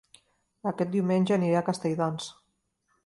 Aquest diumenge aniré a Castelldans